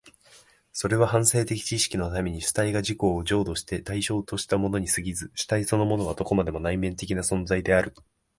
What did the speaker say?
それは反省的知識のために主体が自己を譲渡して対象としたものに過ぎず、主体そのものはどこまでも内面的な存在である。